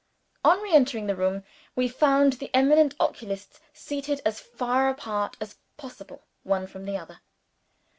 On re entering the room, we found the eminent oculists seated as far apart as possible one from the other.